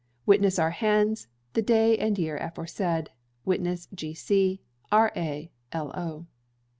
Witness our hands, the day and year aforesaid. Witness, G.C. R.A. L.O.